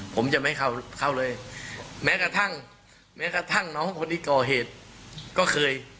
ผมจะไม่ให้เข้าเลยแม้กระทั่งหนองคนดีกว่าเหตุก็เคย